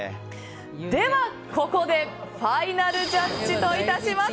ではここでファイナルジャッジといたします。